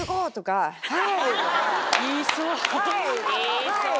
言いそう。